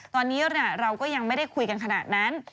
ตอนนี้เราก็ยังไม่ได้คุยกันขนาดนั้น